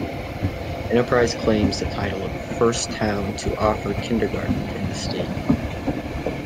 Enterprise claims the title of the first town to offer kindergarten in the state.